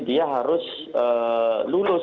dia harus lulus